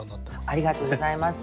ありがとうございます。